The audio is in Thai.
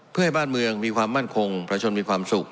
เพื่อให้บ้านเมืองมีความมั่นคงประชาชนมีความสุข